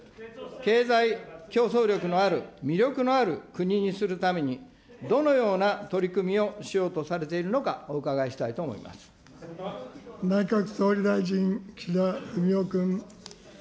経済競争力のある魅力のある国にするために、どのような取り組みをしようとされているのか、お伺いしたいと思内閣総理大臣、岸田文雄君。